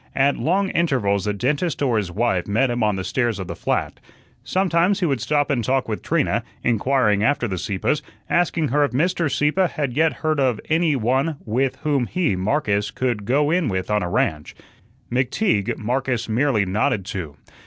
At long intervals the dentist or his wife met him on the stairs of the flat. Sometimes he would stop and talk with Trina, inquiring after the Sieppes, asking her if Mr. Sieppe had yet heard of any one with whom he, Marcus, could "go in with on a ranch." McTeague, Marcus merely nodded to.